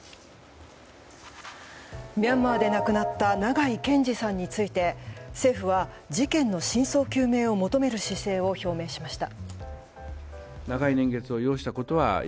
ミャンマーで亡くなった長井健司さんについて政府は事件の真相究明を求める姿勢を表明しました。